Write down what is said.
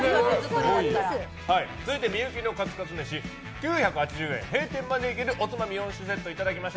続いては幸のカツカツ飯９８０円で閉店までいけるおつまみ４種セットをいただきます！